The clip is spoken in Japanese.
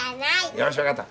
よし分かった！